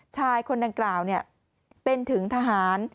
ชายคนดังกล่าวเป็นถึงทหาร